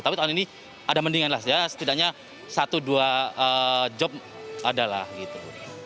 tapi tahun ini ada mendingan lah setidaknya satu dua job adalah gitu